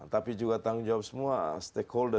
tapi juga tanggung jawab semua stakeholder